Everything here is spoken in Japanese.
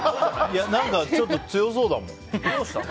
何かちょっと強そうだもん。